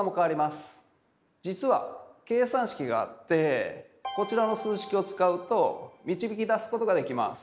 実はこちらの数式を使うと導き出すことができます。